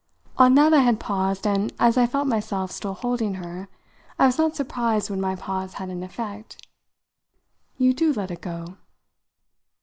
On that I had paused, and, as I felt myself still holding her, I was not surprised when my pause had an effect. "You do let it go?"